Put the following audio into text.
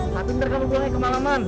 tapi nanti kamu pulangnya kemah kemah